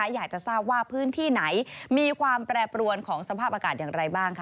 อยากจะทราบว่าพื้นที่ไหนมีความแปรปรวนของสภาพอากาศอย่างไรบ้างค่ะ